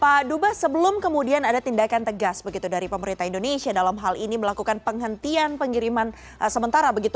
pak dubas sebelum kemudian ada tindakan tegas begitu dari pemerintah indonesia dalam hal ini melakukan penghentian pengiriman sementara begitu